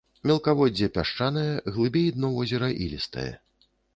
Мелкаводдзе пясчанае, глыбей дно возера ілістае.